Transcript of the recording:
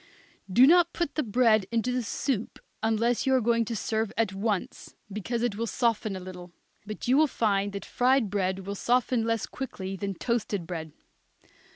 Do not put the bread into the soup unless you are going to serve at once, because it will soften a little; but you will find that fried bread will soften less quickly than toasted bread.